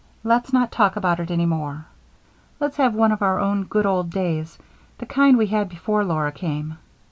Let's not talk about it any more. Let's have one of our own good old happy days the kind we had before Laura came."